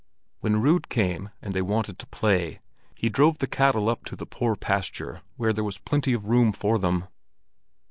When Rud came and they wanted to play, he drove the cattle up on to the poor pasture where there was plenty of room for them.